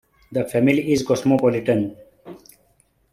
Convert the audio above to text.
The family is cosmopolitan.